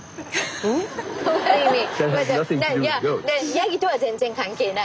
ヤギとは全然関係ない。